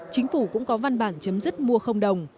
chính phủ cũng có văn bản chấm dứt mua không đồng